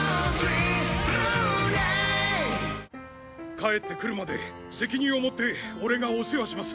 帰ってくるまで責任を持って俺がお世話します